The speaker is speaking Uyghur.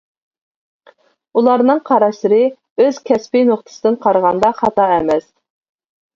ئۇلارنىڭ قاراشلىرى ئۆز كەسپى نۇقتىسىدىن قارىغاندا خاتا ئەمەس.